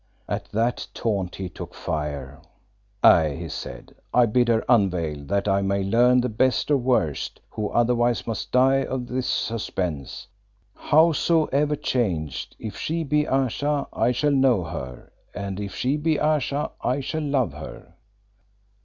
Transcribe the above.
At that taunt he took fire. "Aye," he said, "I bid her unveil, that I may learn the best or worst, who otherwise must die of this suspense. Howsoever changed, if she be Ayesha I shall know her, and if she be Ayesha, I shall love her."